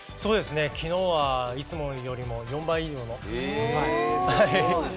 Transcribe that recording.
きのうはいつもよりも４倍以上の、はい。